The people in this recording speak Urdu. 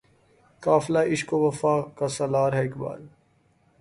قافلہِ عشق و وفا کا سالار ہے اقبال